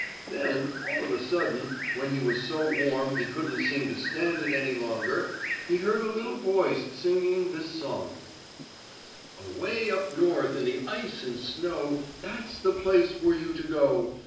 Then, all of a sudden, when he was so warm he couldn't seem to stand it any longer he heard a little voice singing this song: "Away up North in the ice and snow, That's the place for you to go.